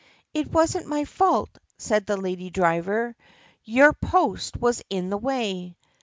"It was n't my fault," said the lady driver. "Your post was in the way."